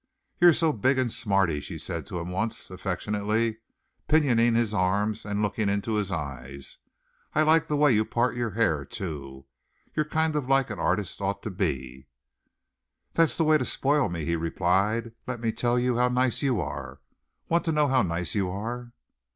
"You're so big and smarty," she said to him once, affectionately, pinioning his arms and looking into his eyes. "I like the way you part your hair, too! You're kind o' like an artist ought to be!" "That's the way to spoil me," he replied. "Let me tell you how nice you are. Want to know how nice you are?"